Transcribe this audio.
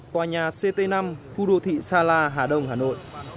tòa nhà ct năm khu đô thị sa la hà đông hà nội